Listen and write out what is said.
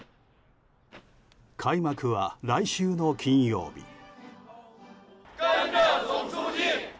開幕は来週の金曜日。